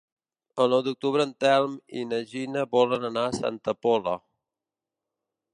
El nou d'octubre en Telm i na Gina volen anar a Santa Pola.